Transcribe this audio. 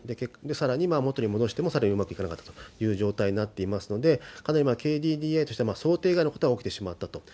さらに元に戻しても、さらにうまくいかなかったという状態になっていますので、かなりＫＤＤＩとしては、想定外のことが起きてしまったと。